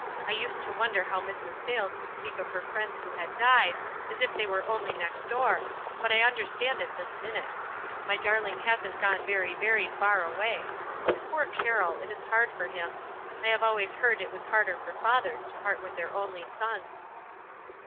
I used to wonder how Mrs. Sayles could speak of her friends who had died, as if they were only next door ; but I understand it this minute. My darling hasn't gone very, very far away. Poor Carroll ! it is hard for him. I have always heard it was harder for fathers to part with their only sons."